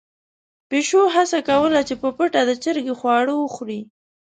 پيشو هڅه کوله چې په پټه د چرګې خواړه وخوري.